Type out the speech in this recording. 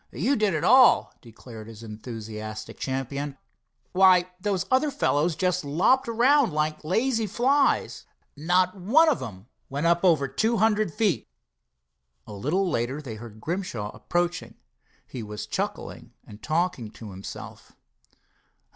"You did it all," declared his enthusiastic champion. "Why, those other fellows just lopped around like lazy flies. Not one of them went up over two hundred feet." A little later they heard Grimshaw approaching. He was chuckling and talking to himself.